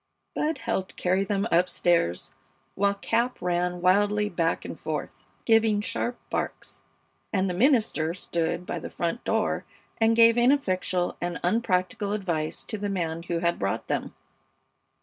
Bud helped carry them up stairs, while Cap ran wildly back and forth, giving sharp barks, and the minister stood by the front door and gave ineffectual and unpractical advice to the man who had brought them.